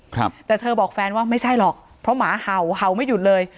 ครับแต่เธอบอกแฟนว่าไม่ใช่หรอกเพราะหมาเห่าเห่าไม่หยุดเลย